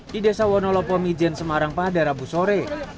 di desa wonolopo mijen semarang pada rabu sore